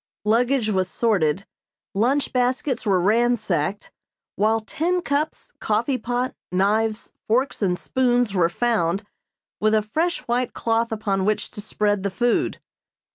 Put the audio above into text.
Luggage was sorted, lunch baskets were ransacked, while tin cups, coffee pot, knives, forks and spoons were found, with a fresh white cloth upon which to spread the food.